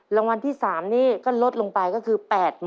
รางวัลที่๓นี่ก็ลดลงไปก็คือ๘๐๐๐